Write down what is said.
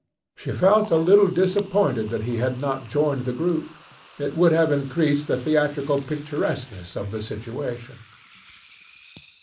She felt a little disappointed that he had not joined the group. It would have increased the theatrical picturesqueness of the situation.